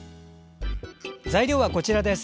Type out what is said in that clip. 材料はこちらです。